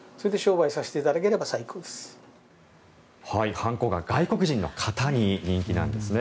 判子が外国人の方に人気なんですね。